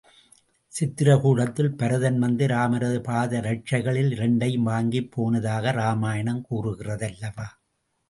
சித்ரகூடத்தில் பரதன் வந்து ராமரது பாதரட்சைகளில் இரண்டை வாங்கிப் போனதாக ராமாயணம் கூறுகிறது அல்லவா?